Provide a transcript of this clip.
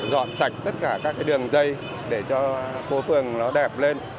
dọn sạch tất cả các cái đường dây để cho phố phường nó đẹp lên